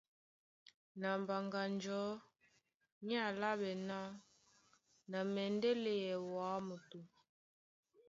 Na Mbaŋganjɔ̌ ní álaɓɛ́ ná : Na mɛndɛ́ léɛ wǎ moto.